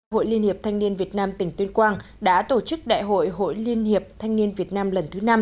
hội liên hiệp thanh niên việt nam tỉnh tuyên quang đã tổ chức đại hội hội liên hiệp thanh niên việt nam lần thứ năm